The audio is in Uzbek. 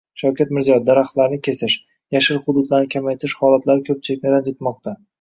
Shavkat Mirziyoyev: “Daraxtlarni kesish, yashil hududlarni kamaytirish holatlari ko‘pchilikni ranjitmoqda”